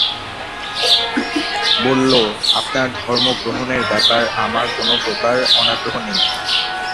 বলল, আপনার ধর্ম গ্রহণের ব্যাপার আমার কোন প্রকার অনাগ্রহ নেই।